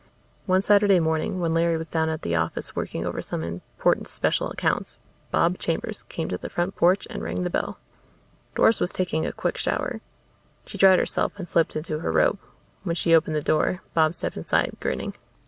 One Saturday morning, when Larry was down at the office working over some important special accounts, Bob Chambers came to the front porch and rang the bell. Doris was taking a quick shower. She dried herself and slipped into her robe. When she opened the door Bob stepped inside, grinning.